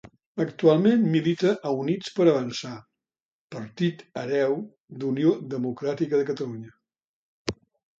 Actualment milita a Units per Avançar, partit hereu d'Unió Democràtica de Catalunya.